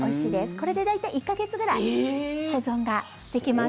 これで大体１か月ぐらい保存ができます。